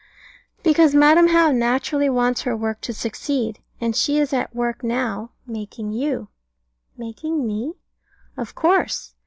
Because Madam How naturally wants her work to succeed, and she is at work now making you. Making me? Of course.